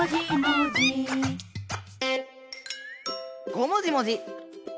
「ごもじもじ」！